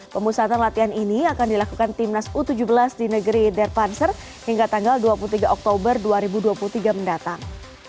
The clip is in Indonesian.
pemusatan latihan ini akan dilakukan timnas u tujuh belas di negeri derpanser hingga tanggal dua puluh tiga oktober dua ribu dua puluh tiga mendatang